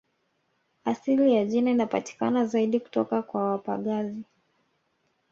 Asili ya jina inapatikana zaidi kutoka kwa wapagazi